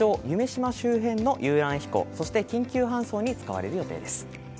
夢洲周辺の遊覧飛行そして緊急搬送に使われる予定です。